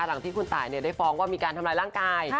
หลังที่คุณตายได้ฟ้องว่ามีการทำร้ายร่างกาย